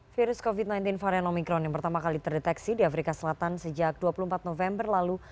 virus covid sembilan belas varian omikron yang pertama kali terdeteksi di afrika selatan sejak dua puluh empat november lalu